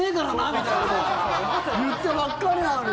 みたいなこと言ったばっかりなのに。